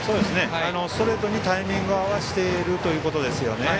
ストレートにタイミングを合わせているということですよね。